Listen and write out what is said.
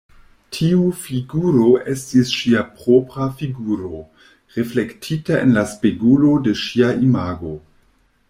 Tiu figuro estis ŝia propra figuro, reflektita en la spegulo de ŝia imago.